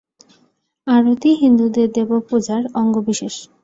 আরতি হিন্দুদের দেবপূজার অঙ্গবিশেষ।